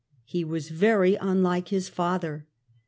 He was very unlike his father.